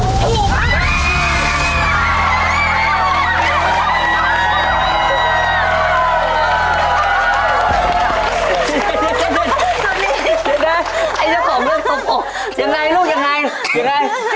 เดี๋ยวนะไอ้เจ้าของเรื่องตกอกยังไงลูกยังไงยังไง